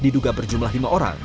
diduga berjumlah lima orang